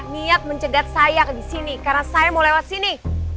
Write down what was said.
niat mencegat saya di sini karena saya mau lewat sini